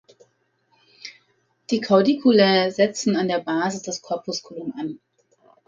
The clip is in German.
Die Caudiculae setzen an der Basis des Corpusculum an.